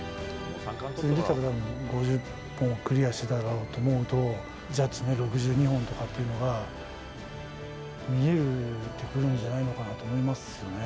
普通に出てたら５０本をクリアしてただろうと思うと、ジャッジね、６２本とかっていうのが、見えてくるんじゃないのかなと思いますよね。